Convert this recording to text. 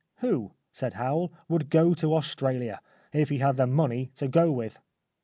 " Who," said Howell, " would go to Australia, if he had the money to go with ?